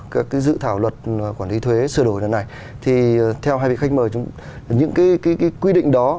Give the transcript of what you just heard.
các cái dự thảo luật quản lý thuế sửa đổi lần này thì theo hai vị khách mời những cái quy định đó